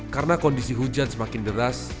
karena kondisi hujan semakin deras